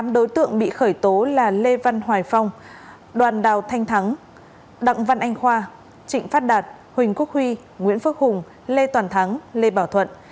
tám đối tượng bị khởi tố là lê văn hoài phong đoàn đào thanh thắng đặng văn anh khoa trịnh phát đạt huỳnh quốc huy nguyễn phước hùng lê toàn thắng lê bảo thuận